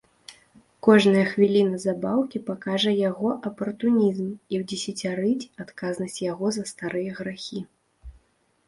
Кожная хвіліна забаўкі пакажа ягоны апартунізм і ўдзесяцярыць адказнасць яго за старыя грахі.